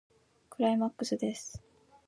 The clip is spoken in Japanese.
クライマックスです。